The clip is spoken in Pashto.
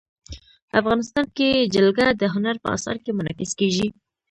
افغانستان کې جلګه د هنر په اثار کې منعکس کېږي.